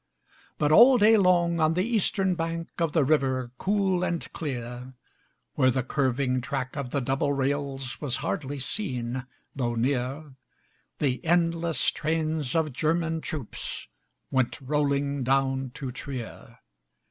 But all day long on the eastern bank Of the river cool and clear, Where the curving track of the double rails Was hardly seen though near, The endless trains of German troops Went rolling down to Trier.